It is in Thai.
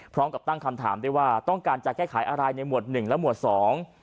พร้อมกับตั้งคำถามได้ว่าต้องการจะแก้ไขอะไรในหมวดหนึ่งและหมวดสอง